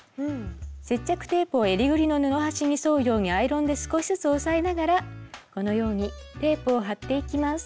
接着テープを襟ぐりの布端に沿うようにアイロンで少しずつ押さえながらこのようにテープを貼っていきます。